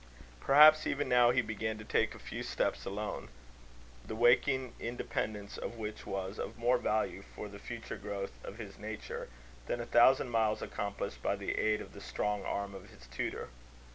Perhaps even now he began to take a few steps alone; the waking independence of which was of more value for the future growth of his nature, than a thousand miles accomplished by the aid of the strong arm of his tutor.